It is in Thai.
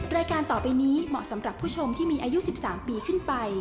รายการต่อไปนี้เหมาะสำหรับผู้ชมที่มีอายุ๑๓ปีขึ้นไป